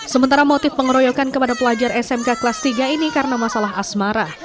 sementara motif pengeroyokan kepada pelajar smk kelas tiga ini karena masalah asmara